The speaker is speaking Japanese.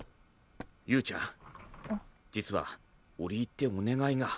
悠宇ちゃん実は折り入ってお願いが。